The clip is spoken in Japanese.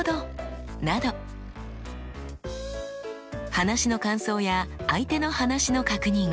話の感想や相手の話の確認